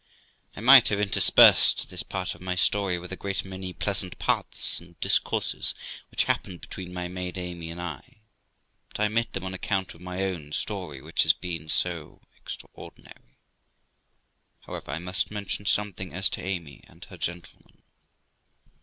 I might have interspersed this part of my story with a great many pleasant parts and discourses which happened between my maid Amy and I, but I omit them on account of my own story, which has been so ex traordinary. However, I must mention something as to Amy and her gentleman.